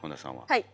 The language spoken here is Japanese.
はい。